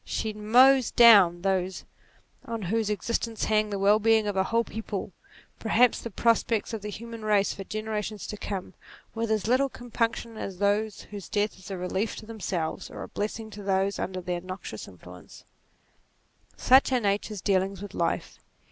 She mows down those on whose existence hangs the well being of a whole people, perhaps the prospects of the human race for generations to come, with as little compunc tion as those whose death is a relief to themselves, or a blessing to those under their noxious influence. 30 NATURE Such are Nature's dealings with life.